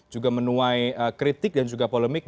juga menuai kritik dan juga polemik